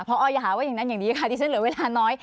พออย่าหาว่าอย่างนั้นอย่างนี้ค่ะดิฉันเหลือเวลาน้อย